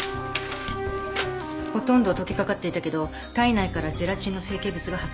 ほとんど溶けかかっていたけど体内からゼラチンの成形物が発見された。